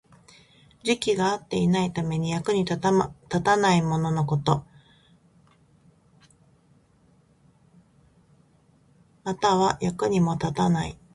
時期が合っていないために、役に立たないもののこと。または、役に立たない意見や才能のたとえ。または、今は不要でも適切な時期が来れば役に立つようになること。君主からの愛情や信用を失ったもの、恋人に捨てられた女性などを指す場合もある。